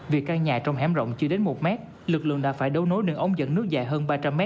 vì căn nhà trong hẻm rộng chưa đến một mét lực lượng đã phải đấu nối nền ống dẫn nước dài hơn ba trăm linh m